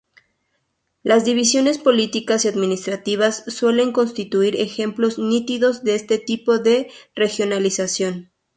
Las divisiones políticas y administrativas suelen constituir ejemplos nítidos de este tipo de regionalización.